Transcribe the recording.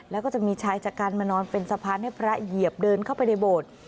แล้วก็จะมีชายชะกันมานอนเป็นสะพานให้พระเหยียบเดินเข้าไปในโบสถ์